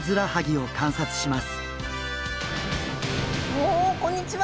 おおこんにちは。